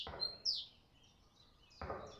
কিন্তু টাকায় তো মানুষ বাঁচে না।